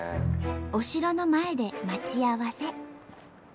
お城の前で待ち合わせ。